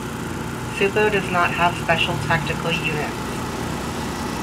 Supo does not have special tactical units.